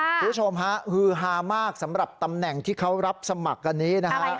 คุณผู้ชมฮะฮือฮามากสำหรับตำแหน่งที่เขารับสมัครกันนี้นะฮะ